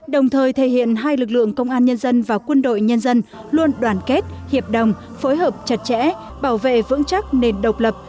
đồng thời thể hiện hai lực lượng công an nhân dân và quân đội nhân dân luôn đoàn kết hiệp đồng phối hợp chặt chẽ bảo vệ vững chắc nền độc lập